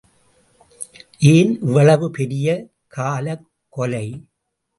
ஏன் இவ்வளவு பெரிய காலக்கொலை?